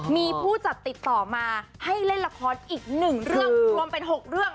มีผู้จัดติดต่อมาให้เล่นละครอีก๑เรื่องรวมเป็น๖เรื่อง